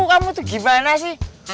kamu tuh gimana sih